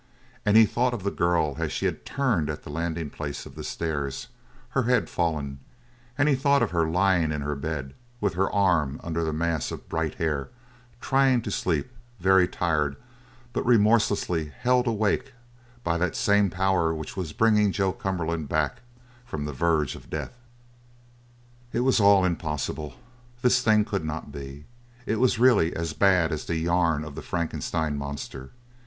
And he thought of the girl as she had turned at the landing place of the stairs, her head fallen; and he thought of her lying in her bed, with her arm under the mass of bright hair, trying to sleep, very tired, but remorsely held awake by that same power which was bringing Joe Cumberland back from the verge of death. It was all impossible. This thing could not be. It was really as bad as the yarn of the Frankenstein monster.